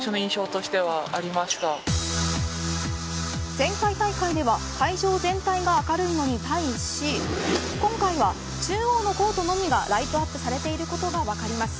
前回大会では会場全体が明るいのに対し今回は、中央のコートのみがライトアップされていることが分かります。